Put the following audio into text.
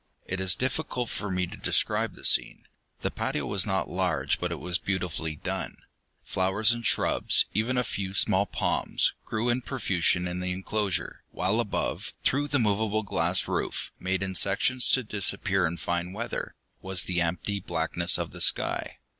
It is difficult for me to describe the scene. The patio was not large, but it was beautifully done. Flowers and shrubs, even a few small palms, grew in profusion in the enclosure, while above, through the movable glass roof made in sections to disappear in fine weather was the empty blackness of the sky.